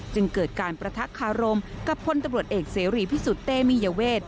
จึงเกิดการประทักคารมกับพลตำรวจเอกเสรีพิสุทธิ์เตมียเวท